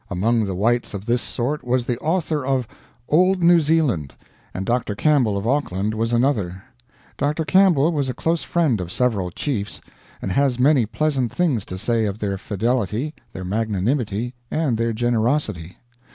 Among the whites of this sort was the author of "Old New Zealand;" and Dr. Campbell of Auckland was another. Dr. Campbell was a close friend of several chiefs, and has many pleasant things to say of their fidelity, their magnanimity, and their generosity.